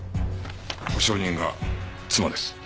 保証人が妻です。